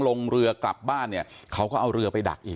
ลงเรือกลับบ้านเนี่ยเขาก็เอาเรือไปดักอีก